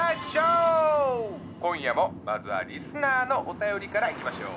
今夜もリスナーのお便りからいきましょう。